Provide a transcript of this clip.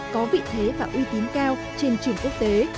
có vị thế và uy tín cao trên trường quốc tế